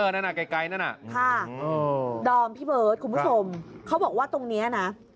นั่นอ่ะค่ะดอมพี่เบิร์ทคุณผู้ชมเขาบอกว่าตรงนี้นะ